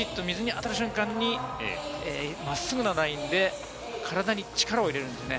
ここからきちんと、水に当たる瞬間に真っすぐなラインで体に力を入れるんですね。